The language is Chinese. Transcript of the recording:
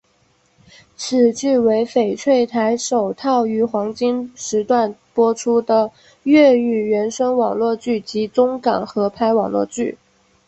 此剧为翡翠台首套于黄金时段播出的粤语原声网络剧及中港合拍网络剧。